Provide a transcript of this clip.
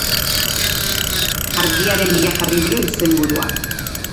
Argiaren bila jarri dio izenburua.